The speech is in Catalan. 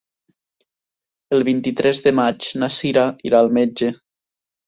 El vint-i-tres de maig na Sira irà al metge.